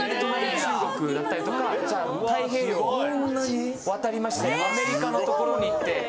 ・中国だったりとか太平洋を渡りましてアメリカの所に行って。